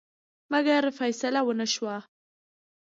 مګر فیصه ونه شوه.